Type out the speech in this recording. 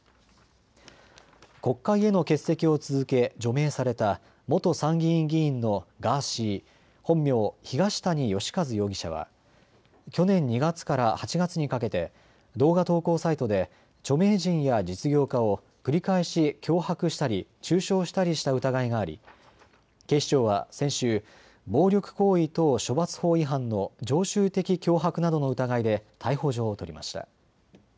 国会への欠席を続け除名された元参議院議員のガーシー、本名・東谷義和容疑者は去年２月から８月にかけて動画投稿サイトで著名人や実業家を繰り返し脅迫したり中傷したりした疑いがあり警視庁は先週、暴力行為等処罰法違反の常習的脅迫などの疑いで逮捕状を取りました。